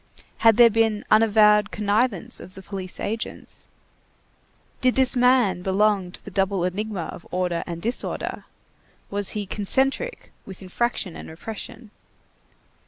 Had there been unavowed connivance of the police agents? Did this man belong to the double enigma of order and disorder? Was he concentric with infraction and repression?